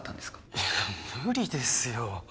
いや無理ですよ